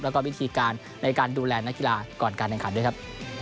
แล้วก็วิธีการในการดูแลนักกีฬาก่อนการแข่งขันด้วยครับ